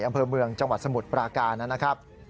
อำเภอเมืองจังหวัดสมุทรปราการนะครับ